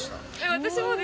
私も。